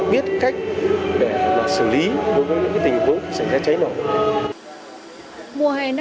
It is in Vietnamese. biết cách để xử lý đối với những tình huống xảy ra cháy nổ